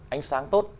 ánh sáng tốt